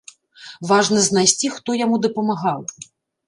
Важна знайсці, хто яму дапамагаў.